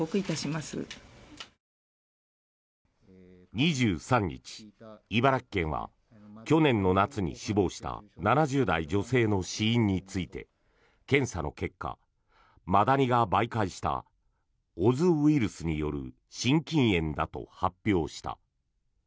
２３日、茨城県は去年の夏に死亡した７０代女性の死因について検査の結果マダニが媒介したオズウイルスによる心筋炎だと発表した。